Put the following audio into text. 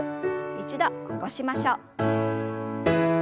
一度起こしましょう。